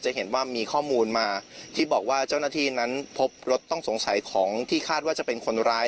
เห็นว่ามีข้อมูลมาที่บอกว่าเจ้าหน้าที่นั้นพบรถต้องสงสัยของที่คาดว่าจะเป็นคนร้าย